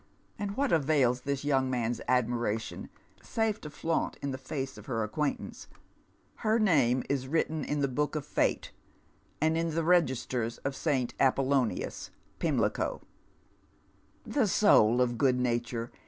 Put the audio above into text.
and what avails this young man's admira tion, save to flaunt in the face of her acquaintance ? Her name is written in the Book of Fate, and in the registers of St. Apollonius, Pimlico. " The soul of good nature.